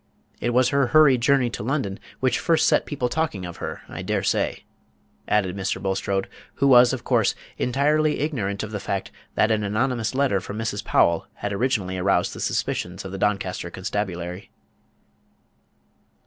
It was her hurried journey to London which first set people talking of her, I dare say," added Mr. Bulstrode, who was, of course, entirely ignorant of the fact that an anonymous letter from Mrs. Powell had originally aroused the suspicions of the Doncaster constabulary.